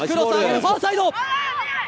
ファーサイド。